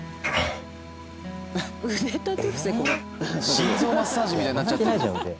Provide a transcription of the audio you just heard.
心臓マッサージみたいになっちゃってる。